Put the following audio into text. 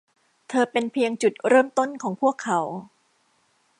เธอเป็นเพียงจุดเริ่มต้นของพวกเขา